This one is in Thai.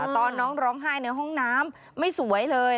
ตอนน้องร้องไห้ในห้องน้ำไม่สวยเลย